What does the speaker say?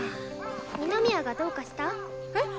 二宮がどうかした？え？